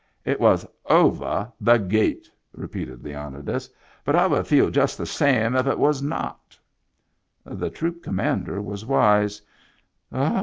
"It was ovah the gate," repeated Leonidas. " But I would feel just the same if it was not." The troop commander was wise.